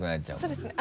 そうですね。